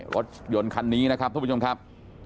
รถยนต์คันนี้นะครับสวัสดีคุณผู้ชมครับ